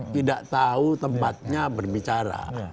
tidak tahu tempatnya berbicara